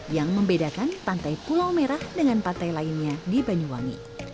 yang membedakan pantai pulau merah dengan pantai lainnya di banyuwangi